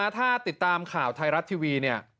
ถ้าติดตามข่าวไทยรัฐทีวีเนี่ย